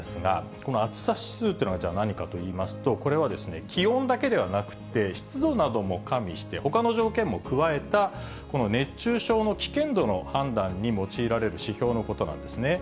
この暑さ指数っていうのは、じゃあ何かといいますと、これは気温だけではなくて、湿度なども加味して、ほかの条件も加えたこの熱中症の危険度の判断に用いられる指標なんですね。